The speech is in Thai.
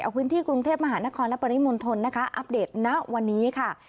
เอาพื้นที่กรุงเทพมหานครและปริมณฑลนะคะอัปเดตณวันนี้ค่ะ